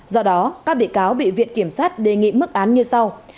do đó các bị cáo bị viện kiểm sát đề nghị mức án như sau